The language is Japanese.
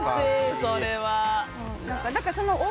それは。